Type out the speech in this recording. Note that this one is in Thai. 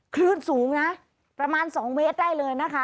คลื่นสูงนะประมาณ๒เมตรได้เลยนะคะ